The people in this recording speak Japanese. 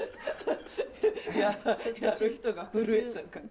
やる人が震えちゃうから。